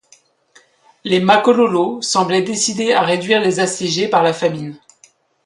Les Makololos semblaient décidés à réduire les assiégés par la famine.